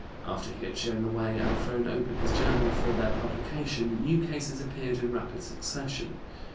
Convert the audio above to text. After he had shown the way and thrown open his journal for their publication, new cases appeared in rapid succession.